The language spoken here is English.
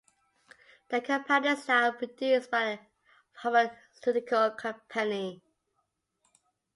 The compound is now produced by a pharmaceutical company.